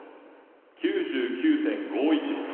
９９．５１。